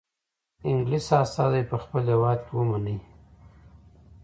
انګلیس استازی په خپل هیواد کې ومنئ.